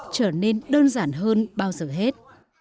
trở nên đơn giản hơn bao giờ hết